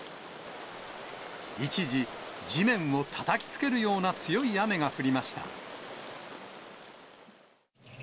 一時、地面をたたきつけるような強い雨が降りました。